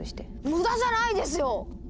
無駄じゃないですよ！